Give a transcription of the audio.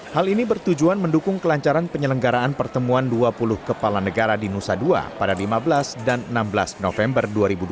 hal ini bertujuan mendukung kelancaran penyelenggaraan pertemuan dua puluh kepala negara di nusa dua pada lima belas dan enam belas november dua ribu dua puluh